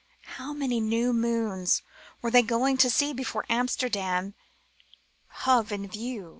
How many new moons were they going to see before Amsterdam hove in view